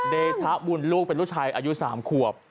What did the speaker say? เดชะบุญลูกเป็นลูกชายอายุ๓ขวบ